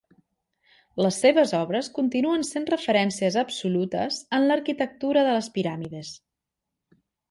Les seves obres continuen sent referències absolutes en l'arquitectura de les piràmides.